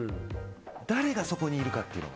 誰がそこにいるかというのが。